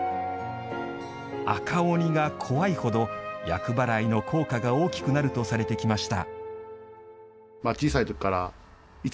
赤鬼が怖いほど厄払いの効果が大きくなるとされてきました。